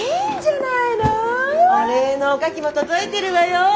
お礼のおかきも届いてるわよ。